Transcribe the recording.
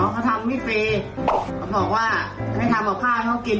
ไฟเสียเปลี่ยนไฟให้หน่อยดิ